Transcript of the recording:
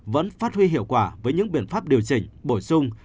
vẫn phát huy hiệu quả với những biện pháp điều chỉnh bổ sung